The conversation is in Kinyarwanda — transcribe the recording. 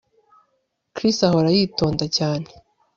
Chris ahora yitonda cyane